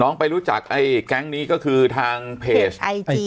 น้องไปรู้จักไอ้แก๊งก็คือทางเพจ